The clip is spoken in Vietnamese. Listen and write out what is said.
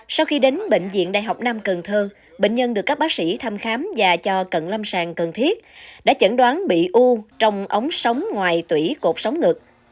sau khi đến bệnh viện đại học nam cần thơ bệnh nhân được các bác sĩ thăm khám và cho cận lâm sàng cần thiết đã chẩn đoán bị u trong ống sống ngoài tủy cột sống ngực